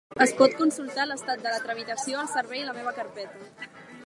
Es pot consultar l'estat de la tramitació al servei La meva carpeta.